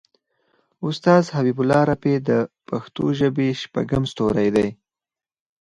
استاد حبیب الله رفیع د پښتو ژبې شپږم ستوری دی.